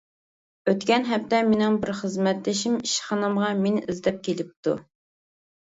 ئوتكەن ھەپتە مېنىڭ بىر خىزمەتدىشىم ئىشخانامغا مېنى ئىزدەپ كېلىپتۇ.